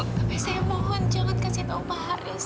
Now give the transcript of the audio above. tapi saya mohon jangan kasih tahu pak haris